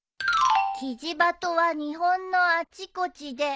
「キジバトは日本のあちこちで」